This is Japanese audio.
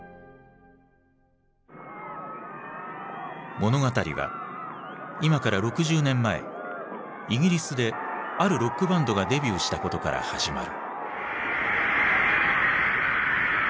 物語は今から６０年前イギリスであるロックバンドがデビューしたことから始まる。